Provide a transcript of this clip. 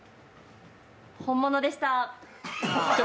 本物でした。